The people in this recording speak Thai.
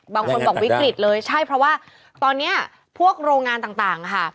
บางคนบอกวิกฤตเลยใช่เพราะว่าตอนนี้พวกโรงงานต่างค่ะ